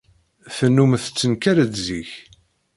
Tennum tettenkar-d zik.